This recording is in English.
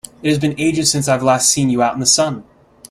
It has been ages since I've last seen you out in the sun!